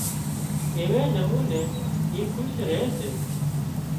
ايوي نموني اِي کُش ري سي